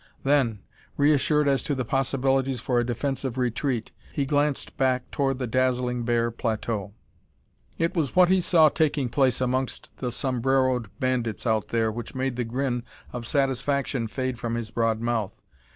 Then, reassured as to the possibilities for a defensive retreat, he glanced back toward the dazzling, bare plateau. It was what he saw taking place amongst the sombreroed bandits out there which made the grin of satisfaction fade from his broad mouth.